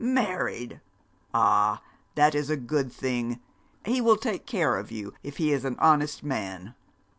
'Married! Ah, that is a good thing. He will take care of you, if he is an honest man.'